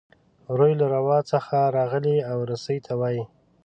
روي له روا څخه راغلی او رسۍ ته وايي.